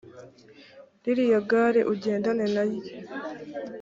ririya gare ugendane na ryo